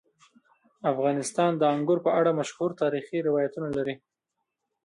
افغانستان د انګور په اړه مشهور تاریخی روایتونه لري.